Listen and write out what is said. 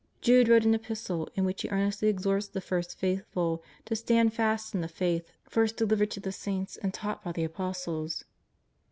Jude wrote an Epistle in which he earnestly exhorts the first faithful to stand fast in the faith first delivered to the Saints and taught by the Apostles.